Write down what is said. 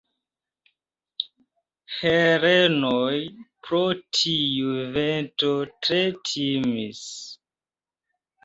Helenoj pro tiu vento tre timis.